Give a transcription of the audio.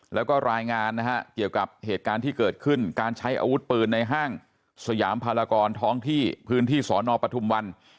แล้วก็รายงานนะฮะเกี่ยวกับเหตุการณ์ที่เกิดขึ้นการใช้อาวุธปืนในห้างสยามภารกรท้องที่พื้นที่สอนอปทุมวัน